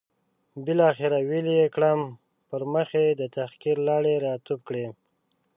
بالاخره ویلې یې کړم، پر مخ یې د تحقیر لاړې را توف کړې.